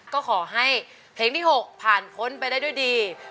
ก็ขอให้เพลงที่๖ผ่านพ้นไปได้ด้วยดี